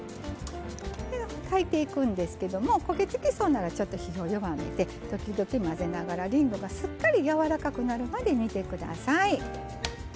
炊いていくんですけど焦げ付きそうならちょっと火を弱めて時々、混ぜながらりんごが、すっかりやわらかくなるまで煮てください。